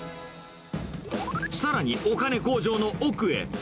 さらにお金工場の奥へ。